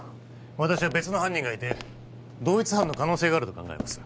私は別の犯人がいて同一犯の可能性があると考えます